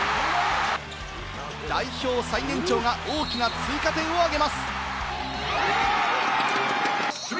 代表最年長が大きな追加点をあげます。